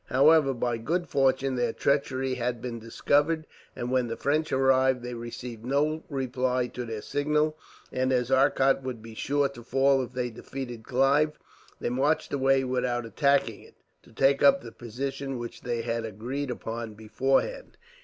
However, by good fortune their treachery had been discovered, and when the French arrived they received no reply to their signal; and as Arcot would be sure to fall if they defeated Clive, they marched away without attacking it, to take up the position which they had agreed upon beforehand.